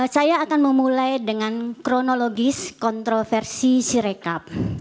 saya akan memulai dengan kronologis kontroversi sirekap